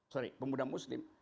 sorry pemuda muslim